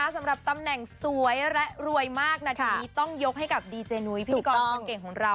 สำหรับตำแหน่งสวยและรวยมากนาทีนี้ต้องยกให้กับดีเจนุ้ยพิธีกรคนเก่งของเรา